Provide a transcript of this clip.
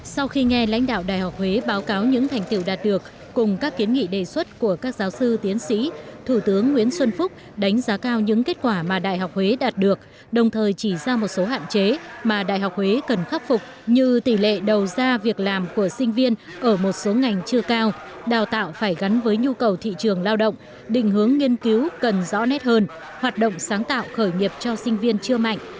sau khi nghe lãnh đạo đại học huế báo cáo những thành tựu đạt được cùng các kiến nghị đề xuất của các giáo sư tiến sĩ thủ tướng nguyễn xuân phúc đánh giá cao những kết quả mà đại học huế đạt được đồng thời chỉ ra một số hạn chế mà đại học huế cần khắc phục như tỷ lệ đầu ra việc làm của sinh viên ở một số ngành chưa cao đào tạo phải gắn với nhu cầu thị trường lao động đình hướng nghiên cứu cần rõ nét hơn hoạt động sáng tạo khởi nghiệp cho sinh viên chưa mạnh